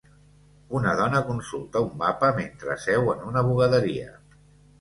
Una dona consulta un mapa mentre seu en una bugaderia.